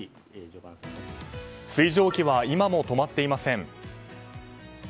水蒸気は今も止まっていません。